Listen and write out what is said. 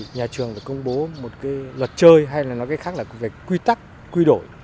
nhà trường công bố một luật chơi hay nói khác là quy tắc quy đổi